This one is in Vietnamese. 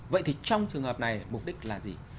vậy thì trong trường hợp này mục đích là gì